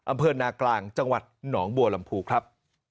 อำเภอนากลางจังหวัดหนองบัวลำพูครับ